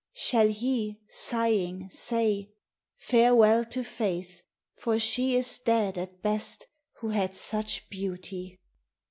Shall he, sighing, say: "Farewell to Faith, for she is dead at best Who had such beauty"?